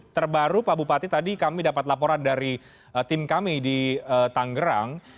terbaru pak bupati tadi kami dapat laporan dari tim kami di tanggerang